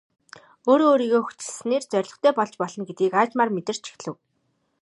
Өөрөө өөрийгөө хүчилснээр зорилготой болж болно гэдгийг аажмаар мэдэрч эхлэв.